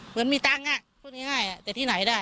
เหมือนมีตั้งอ่ะพูดง่ายง่ายอ่ะแต่ที่ไหนได้